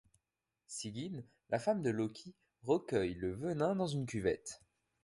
Sigyn, la femme de Loki, recueille le venin dans une cuvette.